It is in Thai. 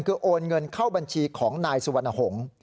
คือโอนเงินเข้าบัญชีของนายสุวรรณหงษ์